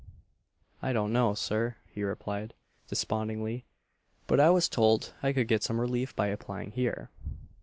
"I don't know, Sir," he replied, despondingly, "but I was told I could get some relief by applying here."